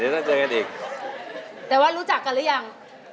แต่ว่ารู้จักกันหรือยัง